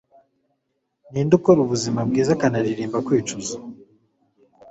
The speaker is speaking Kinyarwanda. ninde ukora ubuzima bwiza akanaririmba kwicuza